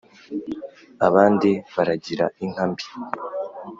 Abandi baragira inka mbi